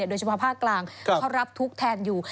โดยเฉพาะภาคกลางเขารับทุกข์แทนอยู่